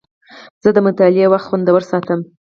زه د مطالعې وخت خوندور ساتم.